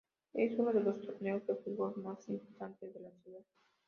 Es uno de los torneos de fútbol más importantes de la ciudad.